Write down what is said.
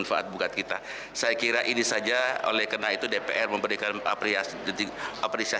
ini menandakan bahwa sesuatu yang bisa dipertemukan oleh kementerian agama